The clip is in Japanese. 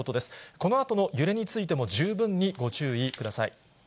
このあとの揺れについても、十分にご注意ください。